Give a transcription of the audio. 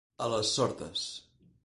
A les sordes.